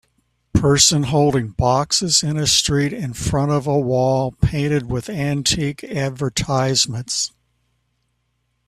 Person holding boxes in a street in front of a wall painted with antique advertisements.